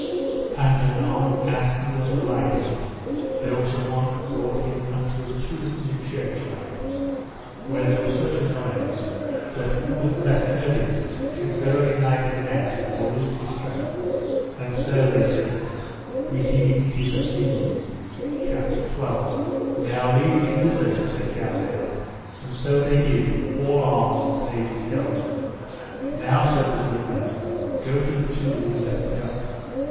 And anon as he was alighted there was a monk brought him unto a tomb in a churchyard, where there was such a noise that who that heard it should verily nigh be mad or lose his strength: and sir, they said, we deem it is a fiend. CHAPTER XII. Of the marvel that Sir Galahad saw and heard in the tomb, and how he made Melias knight. Now lead me thither, said Galahad. And so they did, all armed save his helm. Now, said the good man, go to the tomb and lift it up.